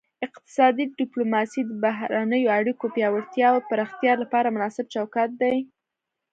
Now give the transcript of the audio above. اقتصادي ډیپلوماسي د بهرنیو اړیکو پیاوړتیا او پراختیا لپاره مناسب چوکاټ دی